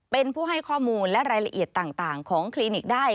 เป็นผู้ให้ข้อมูลและรายละเอียดต่างของคลินิกได้